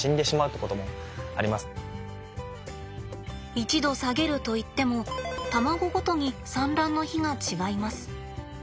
１℃下げるといっても卵ごとに産卵の日が違います。